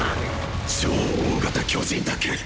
「超大型巨人」だけ！！